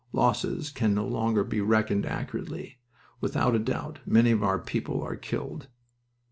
Losses can no longer be reckoned accurately. Without a doubt many of our people are killed."